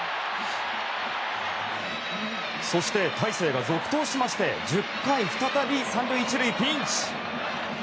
そして大勢が続投しまして１０回再び１、３塁のピンチ。